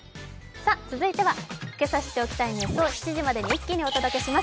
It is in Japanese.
続いてはけさ知っておきたいニュースを７時までに一気にお届けします